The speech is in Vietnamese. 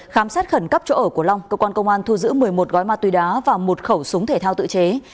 khám xét khẩn cấp chỗ ở của long cơ quan công an thu giữ một mươi một gói ma túy đá và một khẩu súng thể thao tự chế